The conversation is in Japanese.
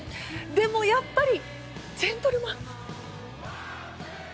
でもやっぱり、ジェントルマン！